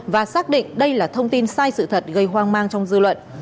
và xác định đây là thông tin sai sự thật gây hoang mang trong dư luận